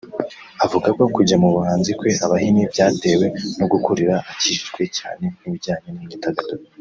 Avuga ko kujya mu buhanzi kwe abahini byatewe no gukurira akikijwe cyane n’ibijyanye n’imyidagaduro